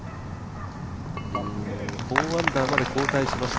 ４アンダーまで後退しました。